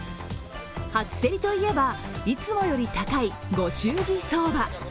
初競りといえば、いつもより高いご祝儀相場。